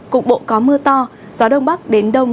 cục bộ có mưa to gió đông bắc đến đông